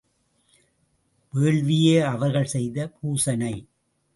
வேள்வியே அவர்கள் செய்த பூசனை.